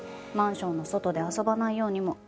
マンションの外で遊ばないようにも。